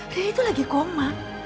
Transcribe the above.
riri itu lagi koma